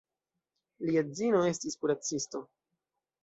Lia edzino estis kuracisto.